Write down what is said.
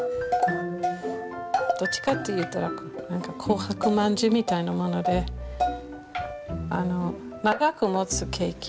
どっちかと言ったら紅白まんじゅうみたいなものであの長くもつケーキ。